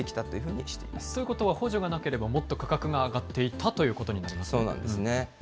ということは補助がなければ、もっと価格が上がっていたというそうなんですね。